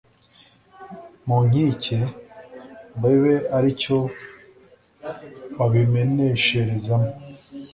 mu nkike babe ari cyo babimenesherezamo